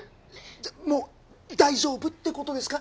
じゃあもう大丈夫って事ですか？